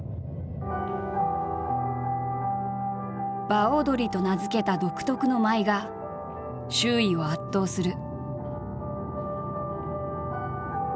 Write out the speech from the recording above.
「場踊り」と名付けた独特の舞が周囲を圧倒する。